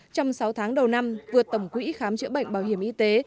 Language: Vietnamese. trong sáu tháng đầu năm vượt tổng quỹ khám chữa bệnh bảo hiểm y tế